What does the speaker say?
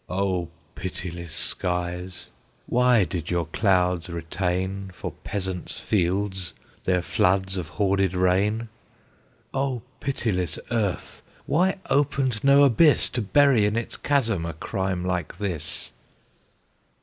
O pitiless skies! why did your clouds retain For peasants' fields their floods of hoarded rain? O pitiless earth! why opened no abyss To bury in its chasm a crime like this?